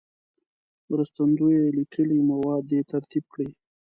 مرستندوی لیکلي مواد دې ترتیب کړي.